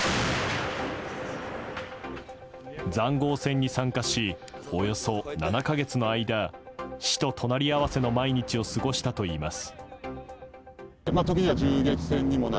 塹壕戦に参加しおよそ７か月の間死と隣り合わせの毎日を過ごしたといいます。